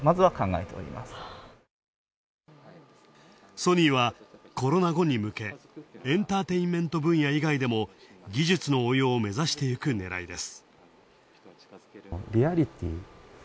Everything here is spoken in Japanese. ソニーはコロナ後に向け、エンターテインメント分野以外でも技術の応用を目指していくねらいです。